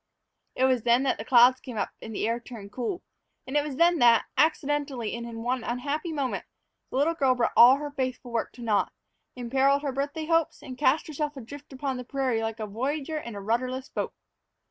It was then that the clouds came up and the air turned cool. And it was then that, accidentally, and in one unhappy moment, the little girl brought all her faithful work to naught, imperiled her birthday hopes, and cast herself adrift upon the prairie like a voyager in a rudderless boat.